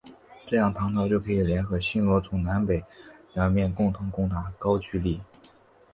这样唐朝就可以联合新罗从南北两面共同攻打高句丽。